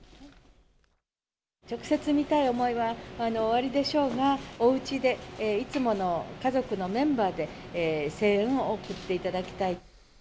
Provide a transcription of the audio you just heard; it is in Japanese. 直接見たい思いはおありでしょうが、おうちでいつもの家族のメンバーで、声援を送っていただきたい。